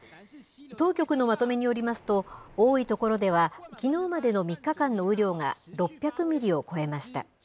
当局のまとめによりますと、多い所では、きのうまでの３日間の雨量が６００ミリを超えました。